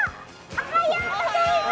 おはよう！